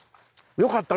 よかった。